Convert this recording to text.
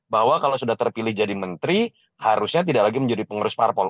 bahwa kalau sudah terpilih jadi menteri harusnya tidak lagi menjadi pengurus parpol